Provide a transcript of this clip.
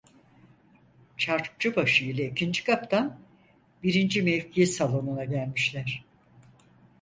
Çarkçıbaşı ile ikinci kaptan, birinci mevki salonuna gelmişler.